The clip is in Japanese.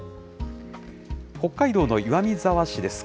北海道の岩見沢市です。